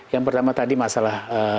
yang pertama tadi masalah